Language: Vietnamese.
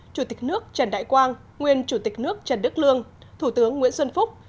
chủ tịch nước trần đại quang nguyên chủ tịch nước trần đức lương thủ tướng nguyễn xuân phúc